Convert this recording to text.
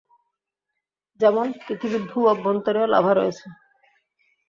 যেমন পৃথিবীর ভূ-অভ্যন্তরেও লাভা রয়েছে।